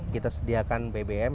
kita sediakan bbm